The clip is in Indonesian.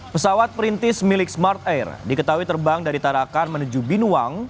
pesawat perintis milik smart air diketahui terbang dari tarakan menuju binuang